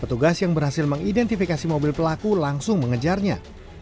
petugas yang berhasil mengidentifikasi mobil pelaku langsung mengejarnya